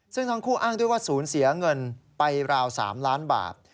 ซึ่งทั้งคู่อ้างด้วยว่าศูนย์เสียเงินไปราว๓ล้านบาท